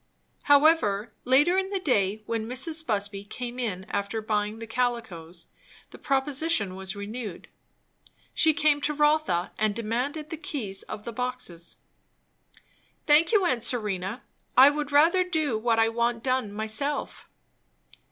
However, later in the day when Mrs. Busby came in after buying the calicos, the proposition was renewed. She came to Rotha and demanded the keys of the boxes. "Thank you, aunt Serena I would rather do what I want done, myself."